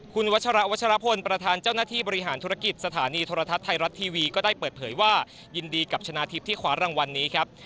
คุณวัชระวัชรพลประธานเจ้าหน้าที่บริหารธุรกิจสถานีโทรทัศน์ไทยรัฐทีวีก็ได้เปิดเผยว่ายินดีกับชนะทิพย์ที่คว้ารางวัลนี้ครับ